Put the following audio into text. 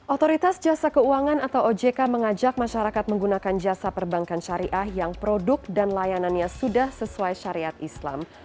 otoritas jasa keuangan atau ojk mengajak masyarakat menggunakan jasa perbankan syariah yang produk dan layanannya sudah sesuai syariat islam